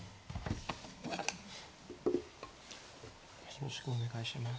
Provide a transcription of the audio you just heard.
よろしくお願いします。